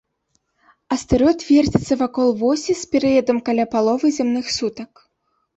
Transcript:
Астэроід верціцца вакол восі з перыядам каля паловы зямных сутак.